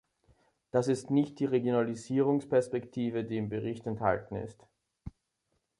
Das ist nicht die Regionalisierungsperspektive, die im Bericht enthalten ist.